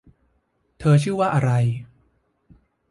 เธอชื่อว่าอะไร